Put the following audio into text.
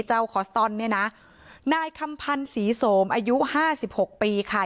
คอสตอนเนี่ยนะนายคำพันธ์ศรีโสมอายุห้าสิบหกปีค่ะ